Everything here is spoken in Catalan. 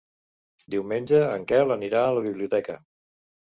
Diumenge en Quel anirà a la biblioteca.